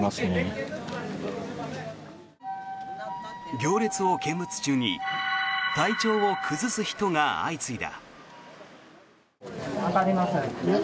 行列を見物中に体調を崩す人が相次いだ。